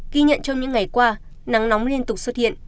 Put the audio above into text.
ghi nhận trong những ngày qua nắng nóng liên tục xuất hiện